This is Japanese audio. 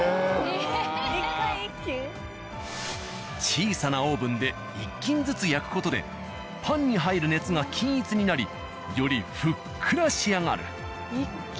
小さなオーブンで１斤ずつ焼く事でパンに入る熱が均一になりよりふっくら仕上がる。